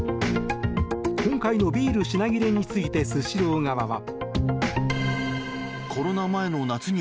今回のビール品切れについてスシロー側は。